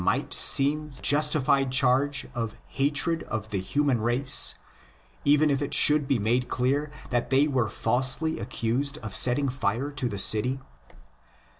THE PREPARATION FOR THE GOSPEL 25 seem the justified charge of 'hatred of the human race," even if it should be made clear that they were falsely accused of setting fire to the city?